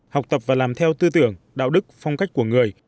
học tập và làm theo tư tưởng đạo đức phong cách của người